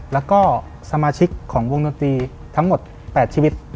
แล้วก็สมาชิกของวงดนตรีทั้งหมด๘ชีวิต